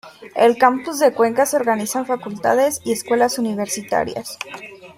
El Campus de Cuenca se organiza en facultades y escuelas universitarias.